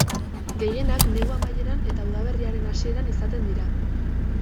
Gehienak negu amaieran eta udaberriaren hasieran izaten dira.